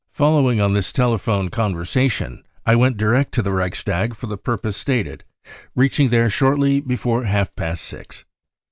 44 Following on this telephone conversation I went direct to the Reichstag for the purpose stated, reaching there shortly before half past six.